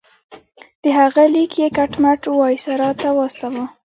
د هغه لیک یې کټ مټ وایسرا ته واستاوه.